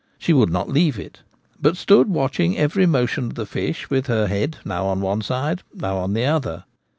She would not leave it ; but stood watching every motion of the fish, with her head now on one side now on the other.